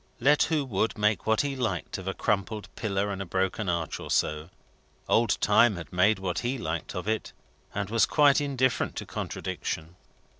Let who would make what he liked of a crumbled pillar and a broken arch or so. Old Time had made what he liked of it, and was quite indifferent to contradiction.